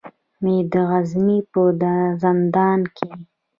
مې د غزني په زندان کې.